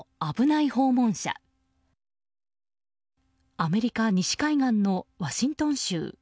アメリカ西海岸のワシントン州。